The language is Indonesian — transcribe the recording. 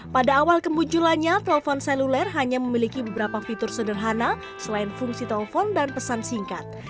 pada awal kemunculannya telepon seluler hanya memiliki beberapa fitur sederhana selain fungsi telepon dan pesan singkat